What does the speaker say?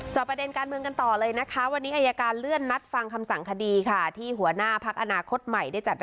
ประเด็นการเมืองกันต่อเลยนะคะวันนี้อายการเลื่อนนัดฟังคำสั่งคดีค่ะที่หัวหน้าพักอนาคตใหม่ได้จัด